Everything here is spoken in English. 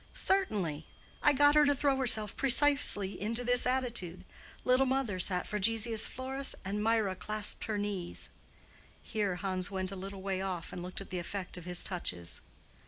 "Certainly. I got her to throw herself precisely into this attitude. Little mother sat for Gessius Florus, and Mirah clasped her knees." Here Hans went a little way off and looked at the effect of his touches.